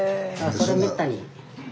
それめったに。